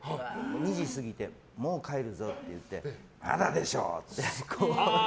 ２時過ぎてもう帰るぞって言ってまだでしょ！って。